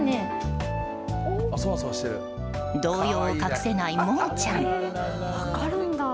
動揺を隠せない、もんちゃん。